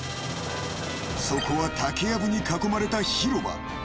そこは竹やぶに囲まれた広場